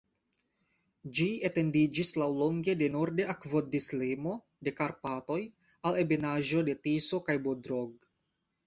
Ĝi etendiĝis laŭlonge de norde akvodislimo de Karpatoj al ebenaĵo de Tiso kaj Bodrog.